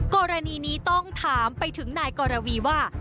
กรณีนี้ต้องถามไปถึงนายกรวีว่า